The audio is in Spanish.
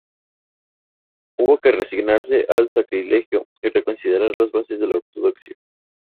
Hubo que resignarse al sacrilegio y reconsiderar las bases de la ortodoxia.